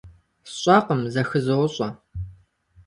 СщӀэкъым, зэхызощӀэ.